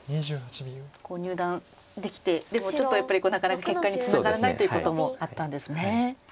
入段できてでもちょっとやっぱりなかなか結果につながらないということもあったんですね。